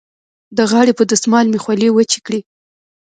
د غاړې په دستمال مې خولې وچې کړې.